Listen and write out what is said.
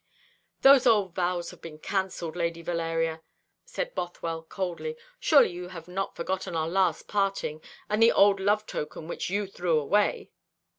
"Those old vows have been cancelled, Lady Valeria," said Bothwell coldly. "Surely you have not forgotten our last parting, and the old love token which you threw away."